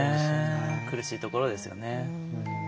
苦しいところですよね。